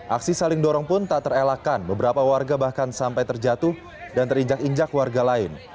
aksi saling dorong pun tak terelakkan beberapa warga bahkan sampai terjatuh dan terinjak injak warga lain